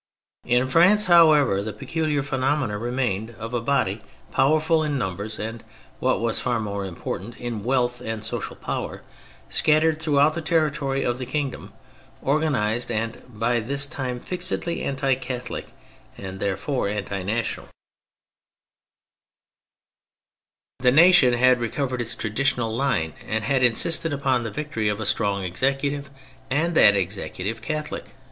In France, however, the peculiar phenome non remained of a body powerful in numbers and (what was far more important) in wealth and social power, scattered throughout the territory of the kingdom, organised and, by this time, fixedly anti Catholic, and therefore anti national. THE CATHOLIC CHURCH 225 The nation had recovered its traditional line and had insisted upon the victory of a strong executive, and that executive Catholic.